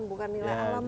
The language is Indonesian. bukan nilai alam